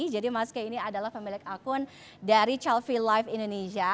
jadi mas kei ini adalah pemilik akun dari childfree life indonesia